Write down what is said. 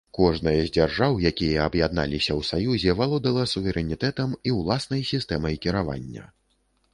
Кожнае з дзяржаў, якія аб'ядналіся ў саюзе, валодала суверэнітэтам і ўласнай сістэмай кіравання.